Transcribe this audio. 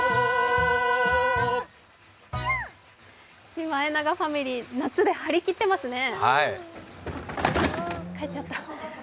シマエナガファミリー夏で張り切ってますね。